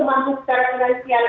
mangsa secara finansial